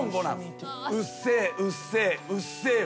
「うっせぇうっせぇうっせぇわ」